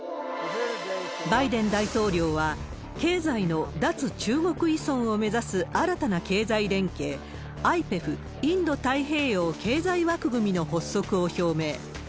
バイデン大統領は、経済の脱中国依存を目指す新たな経済連携、ＩＰＥＦ・インド太平洋経済枠組みの発足を表明。